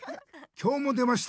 今日も出ました。